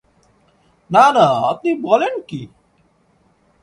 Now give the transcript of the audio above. না না, আপনি বলেন কী!